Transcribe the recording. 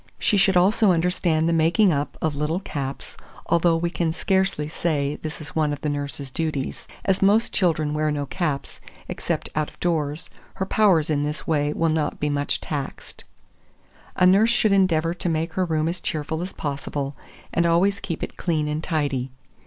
She should also understand the making up of little caps, although we can scarcely say this is one of the nurse's duties. As most children wear no caps, except out of doors, her powers in this way will not be much taxed. 2433. A nurse should endeavour to make her room as cheerful as possible, and always keep it clean and tidy.